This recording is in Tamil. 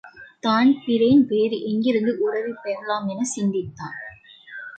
தான்பிரீன் வேறு எங்கிருந்து உதவி பெறலாமெனச் சிந்தித்தான்.